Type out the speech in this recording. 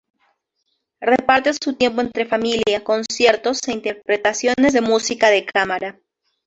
Reparte su tiempo entre familia, conciertos e interpretaciones de música de cámara.